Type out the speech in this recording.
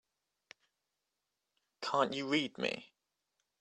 Can't you read me?